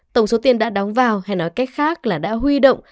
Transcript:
tổng số tiền đã đóng vào hay nói cách khác là đã huy động